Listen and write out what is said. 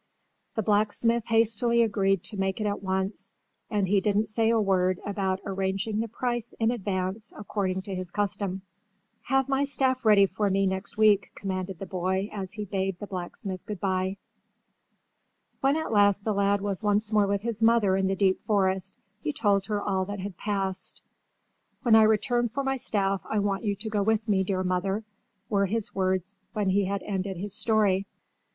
The blacksmith hastily agreed to make it at once, and he didn't say a word about arranging the price in advance according to his custom. "Have my staff ready for me next week," commanded the boy as he bade the blacksmith good by. When at last the lad was once more with his mother in the deep forest he told her all that had passed. "When I return for my staff I want you to go with me, dear mother," were his words when he had ended his story.